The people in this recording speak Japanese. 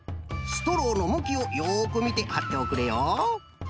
ストローのむきをよくみてはっておくれよ。